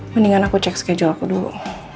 mendingan aku cek schedule aku dulu